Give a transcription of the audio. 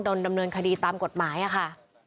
ดำเนินคดีตามกฎหมายค่ะ